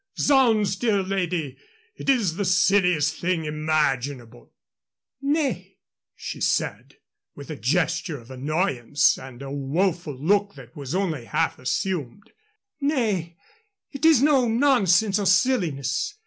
Zounds, dear lady, it is the silliest thing imaginable!" "Nay," she said, with a gesture of annoyance and a woful look that was only half assumed "nay, it is no nonsense or silliness.